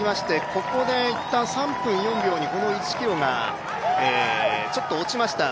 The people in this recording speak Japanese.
ここでいったん３分４秒にこの１ｋｍがちょっと落ちました。